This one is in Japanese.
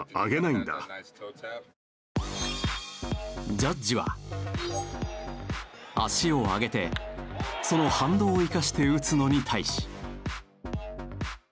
ジャッジは足を上げてその反動を生かして打つのに対し。